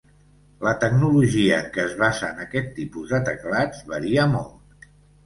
La tecnologia en què es basen aquest tipus de teclats varia molt.